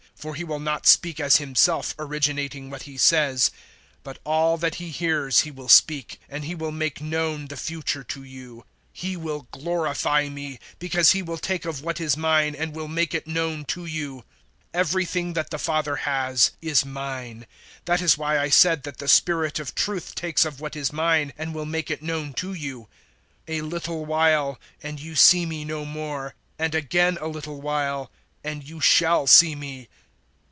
For He will not speak as Himself originating what He says, but all that He hears He will speak, and He will make known the future to you. 016:014 He will glorify me, because He will take of what is mine and will make it known to you. 016:015 Everything that the Father has is mine; that is why I said that the Spirit of Truth takes of what is mine and will make it known to you. 016:016 "A little while and you see me no more, and again a little while and you shall see me."